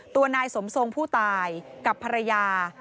ตัวนายสมทรงผู้ตายกับภรรยา